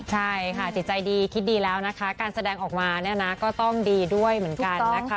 ใช่ค่ะจิตใจดีคิดดีแล้วนะคะการแสดงออกมาเนี่ยนะก็ต้องดีด้วยเหมือนกันนะคะ